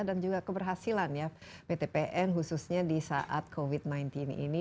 dan juga keberhasilan ya pt pn khususnya di saat covid sembilan belas ini